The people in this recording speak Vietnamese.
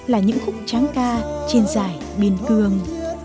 là những khúc tráng ca trên dải biên cương